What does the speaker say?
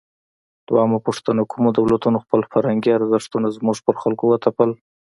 دویمه پوښتنه: کومو دولتونو خپل فرهنګي ارزښتونه زموږ پر خلکو وتپل؟